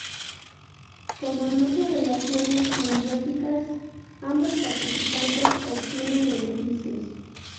Como en muchas relaciones simbióticas, ambos participantes obtienen beneficios.